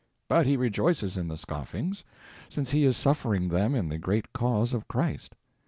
But he rejoices in the scoffings, since he is suffering them in the great cause of Christ.